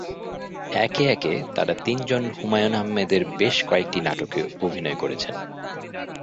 একে একে তাঁরা তিনজন হুমায়ূন আহমেদের বেশ কয়েকটি নাটকে অভিনয় করেছেন।